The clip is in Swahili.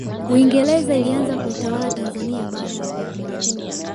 uingereza ilianza kuitawala tanzania baada ya wajerumani